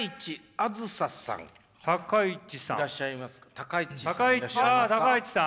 あ高市さん？